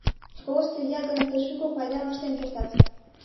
Школышто лият гын, тый шуко пайдам ыштен кертат.